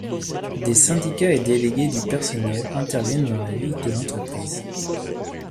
Des syndicats et délégués du personnel interviennent dans la vie de l'entreprise.